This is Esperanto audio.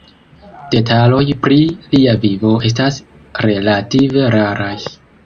Detaloj pri lia vivo estas relative raraj.